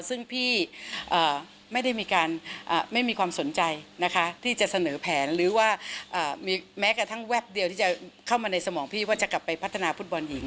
ซึ่งพี่ไม่ได้มีการไม่มีความสนใจนะคะที่จะเสนอแผนหรือว่ามีแม้กระทั่งแวบเดียวที่จะเข้ามาในสมองพี่ว่าจะกลับไปพัฒนาฟุตบอลหญิง